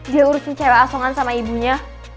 dia urin cewek asongan sama ibunya